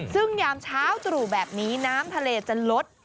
ซึ่งยามเช้าตรู่แบบนี้น้ำทะเลจะลด